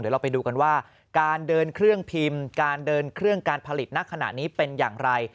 เราไปดูกันว่าการเดินเครื่องพิมพ์การเดินเครื่องการผลิตนักขณะนี้เป็นอย่างไร